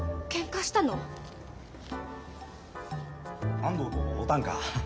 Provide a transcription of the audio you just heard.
安藤と会うたんか。